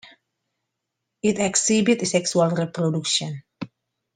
It exhibits sexual reproduction.